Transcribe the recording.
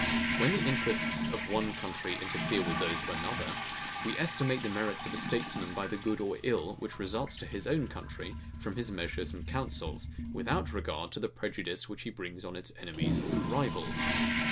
When the interests of one country interfere with those of another, we estimate the merits of a statesman by the good or ill, which results to his own country from his measures and councils, without regard to the prejudice which he brings on its enemies and rivals.